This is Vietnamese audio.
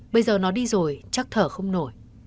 bây giờ nó đi rồi chắc thở không nổi